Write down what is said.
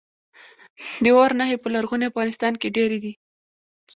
د اور نښې په لرغوني افغانستان کې ډیرې دي